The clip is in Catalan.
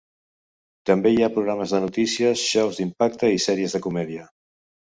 També hi ha programes de notícies, xous d'impacte i sèries de comèdia.